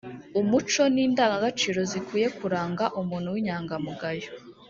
n’umuco n’indangagaciro zikwiye kuranga umuntu w’inyangamugayo